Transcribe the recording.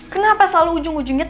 kenapa selalu ujung ujungnya